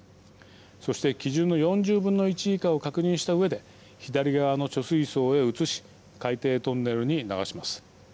そして、基準の４０分の１以下を確認したうえで左側の貯水槽へ移し海底トンネルに流します。